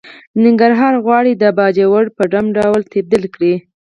ننګرهار غواړي د باجوړ په ډمه ډوله تبديل کړي.